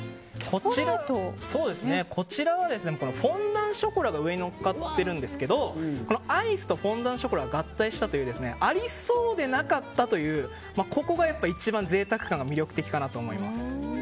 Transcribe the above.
こちらはフォンダンショコラが上にのっかっているんですけどもアイスとフォンダンショコラを合体したというありそうでなかったというここがやっぱり一番贅沢感が魅力かなと思います。